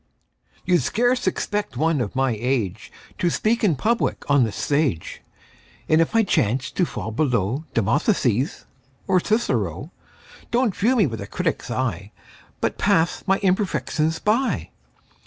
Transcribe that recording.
YOU'D scarce expect one of my age To speak in public on the stage, And if I chance to fall below Demosthenes or Cicero, Don't view me with a critic's eye, But pass my imperfections by.